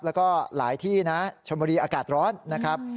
แล้วก็หลายที่นะชมบุรีอากาศร้อนนะครับ